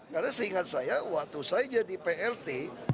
karena seingat saya waktu saya jadi prt